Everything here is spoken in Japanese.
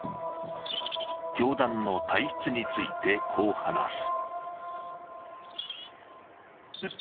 教団の体質についてこう話す。